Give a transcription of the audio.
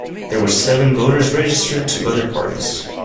There were seven voters registered to other parties.